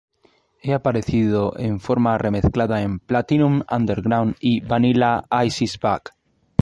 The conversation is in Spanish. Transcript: Ha aparecido en forma remezclada en "Platinum Underground" y "Vanilla Ice Is Back!".